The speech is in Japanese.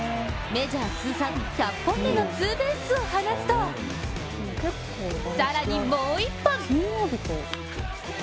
メジャー通算１００本目のツーベースを放つと更にもう１本！